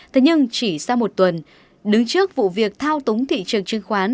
thế nhưng chỉ sau một tuần đứng trước vụ việc thao túng thị trường chứng khoán